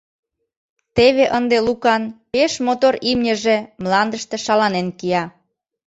Теве ынде Лукан пеш мотор имньыже мландыште шаланен кия.